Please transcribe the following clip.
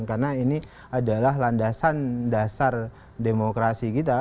karena ini adalah landasan dasar demokrasi kita